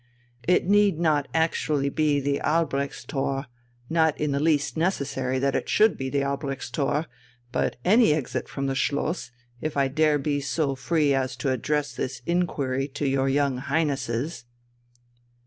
It need not actually be the Albrechtstor not in the least necessary that it should be the Albrechtstor. But any exit from the Schloss, if I dare be so free as to address this inquiry to your young Highnesses...."